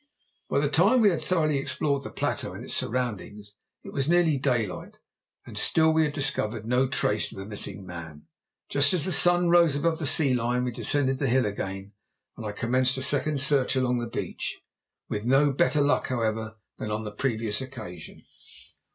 By the time we had thoroughly explored the plateau and its surroundings it was nearly daylight, and still we had discovered no trace of the missing man. Just as the sun rose above the sea line we descended the hill again and commenced a second search along the beach, with no better luck, however, than on the previous occasion.